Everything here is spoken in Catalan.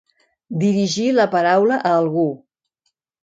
Dirigir la paraula a algú.